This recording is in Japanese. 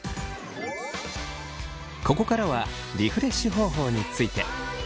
ここからはリフレッシュ方法について。